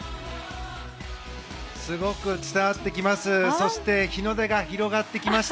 すごく伝わってきます。